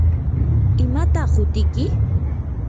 ¿imataq hutiyki?